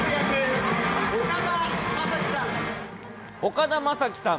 岡田将生さん。